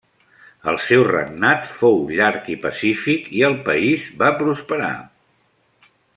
El seu regnat fou llarg i pacífic i el país va prosperar.